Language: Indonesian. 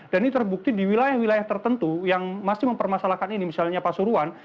dan ini terbukti di wilayah wilayah tertentu yang masih mempermasalahkan ini misalnya pasuruan